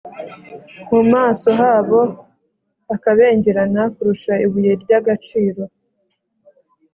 mu maso habo hakabengerana kurusha ibuye ry’agaciro.